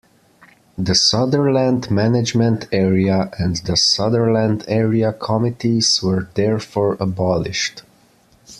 The Sutherland management area and the Sutherland area committees were therefore abolished.